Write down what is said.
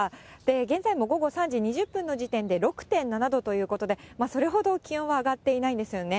現在も午後３時２０分の時点で、６．７度ということで、それほど気温は上がっていないんですよね。